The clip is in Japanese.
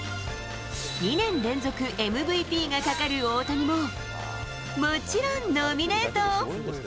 ２年連続ＭＶＰがかかる大谷も、もちろんノミネート。